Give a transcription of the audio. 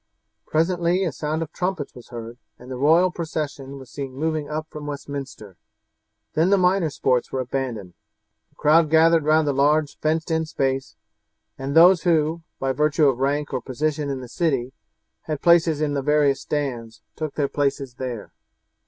Presently a sound of trumpets was heard, and the royal procession was seen moving up from Westminster. Then the minor sports were abandoned; the crowd gathered round the large fenced in space, and those who, by virtue of rank or position in the city, had places in the various stands, took their places there.